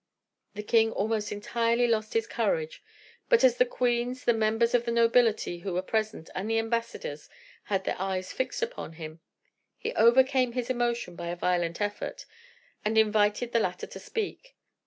The king almost entirely lost his courage; but as the queens, the members of the nobility who were present, and the ambassadors, had their eyes fixed upon him, he overcame his emotion by a violent effort, and invited the latter to speak.